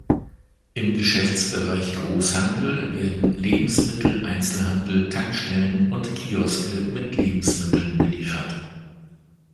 Im Geschäftsbereich Großhandel werden Lebensmitteleinzelhandel, Tankstellen und Kioske mit Lebensmitteln beliefert.